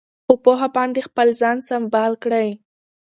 په پوهه باندې خپل ځان سمبال کړئ.